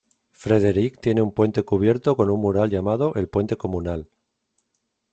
Frederick tiene un puente cubierto con un mural llamado "el puente comunal".